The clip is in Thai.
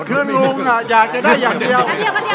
คือลุงอยากจะได้อย่างเดียว